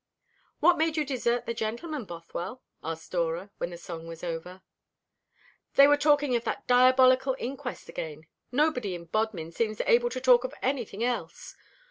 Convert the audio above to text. "What made you desert the gentlemen, Bothwell?" asked Dora, when the song was over. "They were talking of that diabolical inquest again. Nobody in Bodmin seems able to talk of anything else.